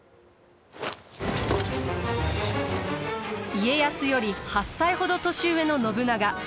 家康より８歳ほど年上の信長。